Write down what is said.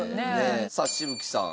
さあ紫吹さん。